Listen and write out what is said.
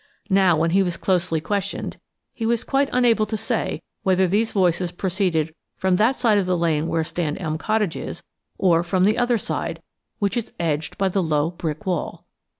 Now, when he was closely questioned, he was quite unable to say whether these voices proceeded from that side of the lane where stand Elm Cottages or from the other side, which is edged by the low, brick wall.